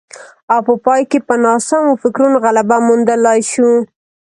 او په پای کې په ناسمو فکرونو غلبه موندلای شو